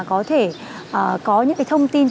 có thể có những cái thông tin